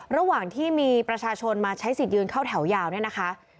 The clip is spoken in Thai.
ระหว่างที่มีประชาชนมาใช้สิทธิ์ยืนเข้าแถวยาวเนี่ยนะคะ